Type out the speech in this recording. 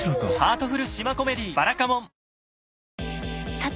さて！